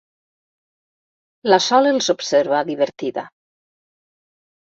La Sol els observa, divertida.